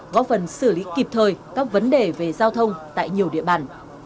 góp phần xử lý kịp thời các vấn đề về giao thông tại nhiều địa bàn